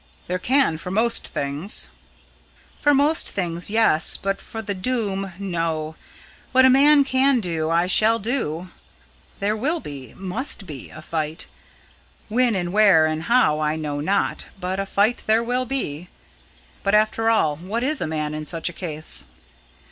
There can for most things." "For most things, yes, but for the Doom, no. What a man can do I shall do. There will be must be a fight. When and where and how I know not, but a fight there will be. But, after all, what is a man in such a case?"